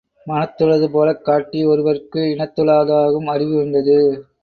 மனத்துளது போலக் காட்டி ஒருவற்கு இனத்துள தாகும் அறிவு என்றது.